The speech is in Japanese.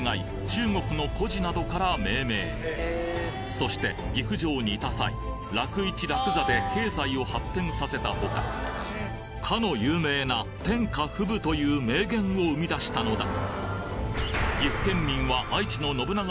中国の故事などから命名そして岐阜城にいた際楽市楽座で経済を発展させたほかかの有名な天下布武という名言を生み出したのだ